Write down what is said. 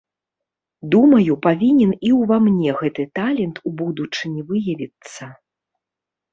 Думаю, павінен і ўва мне гэты талент у будучыні выявіцца.